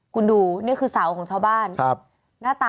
คุณดูนี่คือเสาของชาวบ้าน